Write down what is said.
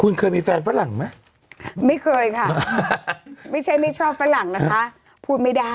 คุณเคยมีแฟนฝรั่งไหมไม่เคยค่ะไม่ใช่ไม่ชอบฝรั่งนะคะพูดไม่ได้